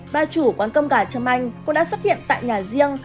ba chủ quán cơm gà châm anh cũng đã xuất hiện tại nhà riêng